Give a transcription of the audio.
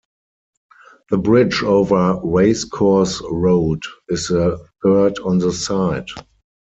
The bridge over Racecourse Road is the third on the site.